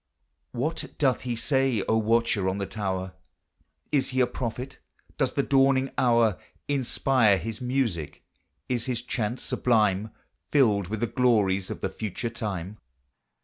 What doth he say, O watcher on the tower? Is he a prophet? does the dawning hour Inspire his music? Is his chant sublime, Filled with the glories of the future time?